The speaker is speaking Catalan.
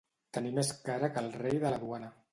Tenir més cara que el rei de la Duana.